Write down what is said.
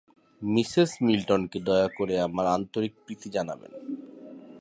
Mrs মিল্টনকে দয়া করে আমার আন্তরিক প্রীতি জানাবেন।